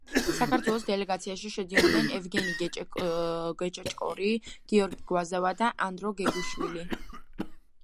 საქართველოს დელეგაციაში შედიოდნენ ევგენი გეგეჭკორი, გიორგი გვაზავა და ანდრო გუგუშვილი.